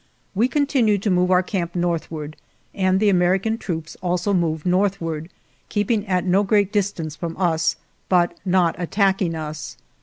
We continued to move our camp north ward, and the American troops also moved northward, 4 keeping at no great distance from us, but not attacking us.